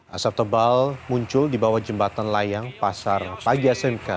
asap tebal muncul di bawah jembatan layang pasar pagi smk